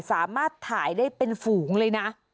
สามารถถ่ายได้เป็นฝูงเลยนะ